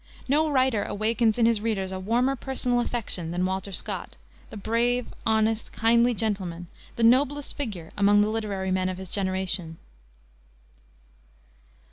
No writer awakens in his readers a warmer personal affection than Walter Scott, the brave, honest, kindly gentleman, the noblest figure among the literary men of his generation.